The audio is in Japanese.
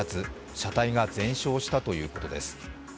車体が全焼したということです。